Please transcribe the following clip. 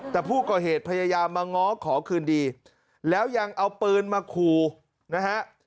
แต่ผู้ก่อเหตุพยายามมาง้อขอคืนดีแล้วยังเอาปืนมาขู่นะฮะ